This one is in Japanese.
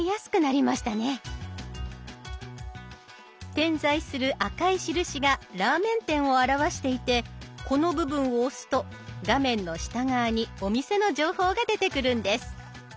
点在する赤い印がラーメン店を表していてこの部分を押すと画面の下側にお店の情報が出てくるんです。